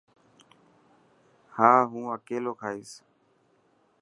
ها هون اڪيلو کائيس.